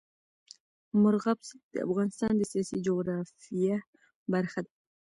مورغاب سیند د افغانستان د سیاسي جغرافیه برخه ده.